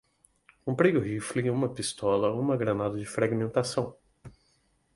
Comprei um rifle, uma pistola, uma granada de fragmentação